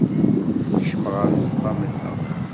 Kecmeɣ ɣer uxxam-nneɣ.